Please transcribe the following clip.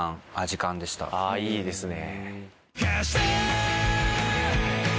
あいいですね。